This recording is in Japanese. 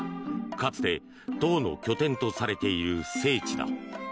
かつて、党の拠点とされている聖地だ。